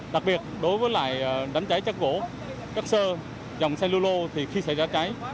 đặc biệt đối với đám cháy chất gỗ chất sơ dòng cellulo thì khi xảy ra cháy